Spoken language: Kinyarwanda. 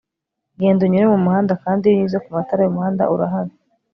genda unyure mumuhanda, kandi iyo unyuze kumatara yumuhanda urahari